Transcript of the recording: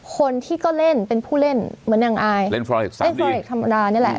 คนที่ก็เล่นเป็นผู้เล่นเหมือนอย่างไอเล่นฟราเหตุธรรมดานี่แหละ